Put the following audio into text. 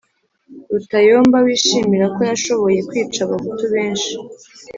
Rutayomba, wishimira ko yashoboye kwica Abahutu benshi